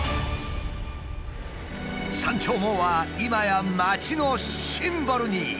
「山鳥毛」は今や街のシンボルに。